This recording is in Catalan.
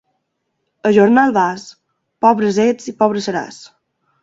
A jornal vas? Pobres ets i pobre seràs.